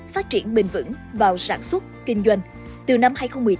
phát triển bình vững vào sản xuất kinh doanh từ năm hai nghìn một mươi tám